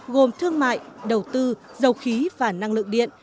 gồm thương mại đầu tư dầu khí và năng lượng điện